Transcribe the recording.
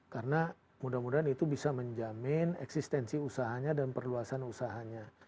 karena mudah mudahan itu bisa menjamin eksistensi usahanya dan perluasan usahanya